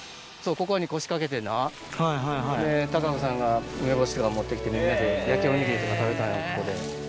ここに腰掛けてなで孝子さんが梅干しとか持って来てみんなで焼きおにぎりとか食べたんやここで。